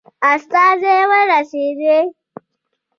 استازی ورسېدی.